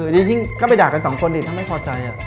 ยิ่งก็ไปด่ากันสองคนดิถ้าไม่พอใจ